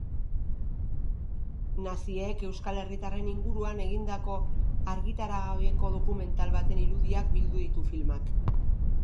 Naziek euskal herritarren inguruan egindako argitaragabeko dokumental baten irudiak bildu ditu filmak.